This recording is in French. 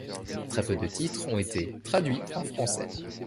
Très peu de titres ont été traduits en français.